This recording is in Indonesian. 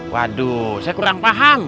waduh saya kurang paham